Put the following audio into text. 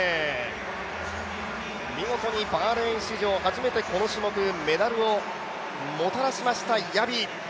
見事にバーレーン史上初めてこの種目メダルをもたらしましたヤビ。